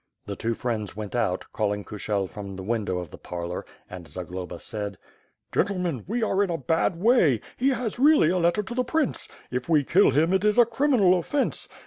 The two friends went out, calling Kushel from the window of the parlor; and Zagloba said: "Gentlemen, we are in a bad way; he has really a letter to the prince. If we kill him, it is a criminal offence.